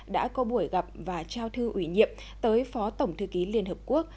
đã có buổi gặp và trao thư ủy nhiệm tới phó tổng thư ký liên hợp quốc